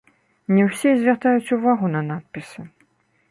Не ўсе і звяртаюць увагу на надпісы.